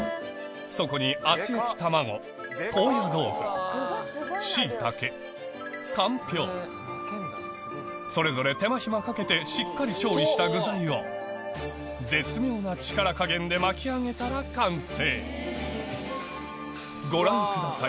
そこにそれぞれ手間暇かけてしっかり調理した具材を絶妙な力加減で巻き上げたら完成ご覧ください